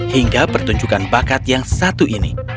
hingga pertunjukan bakat yang satu ini